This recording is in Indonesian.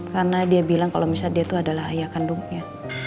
karena dia bilang kalau dia adalah ayah kandungnya